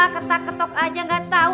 ketak ketok aja gak tau